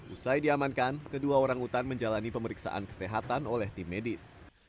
usai diamankan kedua orang utan menjalani pemeriksaan kesehatan oleh tim medis